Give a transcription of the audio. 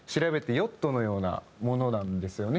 ヨットのようなものなんですよね